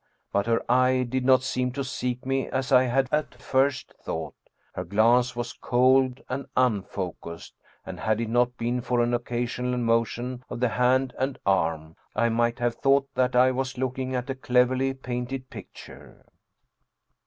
But her eye did not seem to seek me as I had at first thought; her glance was cold and unfocused, and had it not been for an occasional motion of the hand and arm, I might have thought that I was looking at a cleverly painted picture.